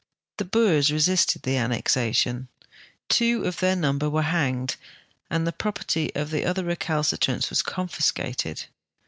The Boers resisted the annexation; two of their number were hanged and the ])i'operty of other recalcitrants was confiscated.